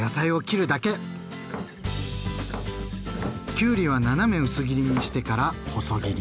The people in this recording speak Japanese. きゅうりは斜め薄切りにしてから細切り。